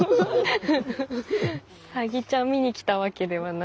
サギちゃん見に来たわけではない。